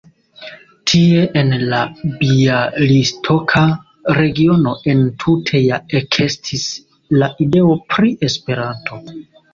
Tie en la bjalistoka regiono entute ja ekestis la ideo pri Esperanto.